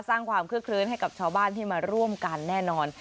สร้างความเคลือนให้กับชาวบ้านที่มาร่วมกันแน่นอน